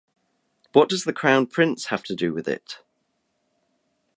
What does the Crown Prince have to do with it?